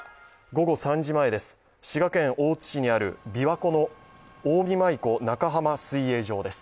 午後３時前です、滋賀県大津市にあるびわ湖の近江舞子中浜水泳場です。